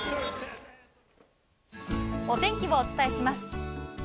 お天気をお伝えします。